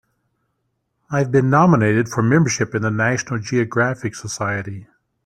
I've been nominated for membership in the National Geographic Society.